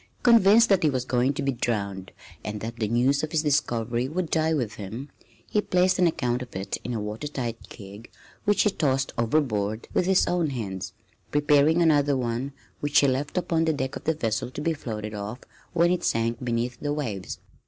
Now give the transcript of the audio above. Convinced that he was going to be drowned and that the news of his discovery would die with him, he placed an account of it in a water tight keg which he tossed overboard with his own hands, preparing another one which he left upon the deck of the vessel to be floated off when it sank beneath the waves.